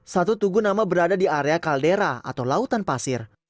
satu tugu nama berada di area kaldera atau lautan pasir